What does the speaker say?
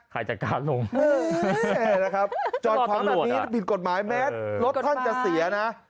ใครจะกล้าลงนะครับจอดขวางแบบนี้ผิดกฎหมายแม้รถท่านจะเสียนะ